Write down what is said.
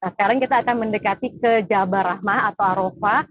sekarang kita akan mendekati ke jabar rahmah atau arofa